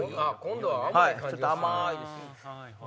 ちょっと甘いです。